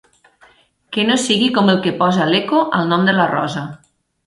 Que no sigui com el que posa l'Eco al nom de la rosa.